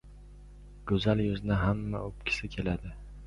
• Go‘zal yuzni hamma o‘pgisi keladi.